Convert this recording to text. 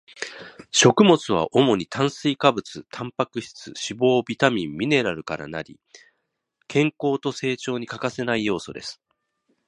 食物は主に炭水化物、タンパク質、脂肪、ビタミン、ミネラルから成り、健康と成長に欠かせない要素です